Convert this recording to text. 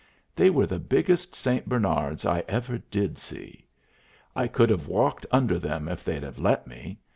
They were the biggest St. Bernards I ever did see. I could have walked under them if they'd have let me.